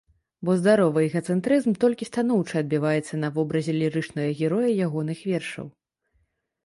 Бо здаровы эгацэнтрызм толькі станоўча адбіваецца на вобразе лірычнага героя ягоных вершаў.